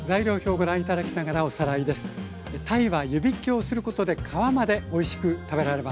鯛は湯びきをすることで皮までおいしく食べられます。